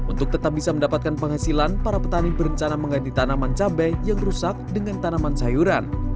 untuk tetap bisa mendapatkan penghasilan para petani berencana mengganti tanaman cabai yang rusak dengan tanaman sayuran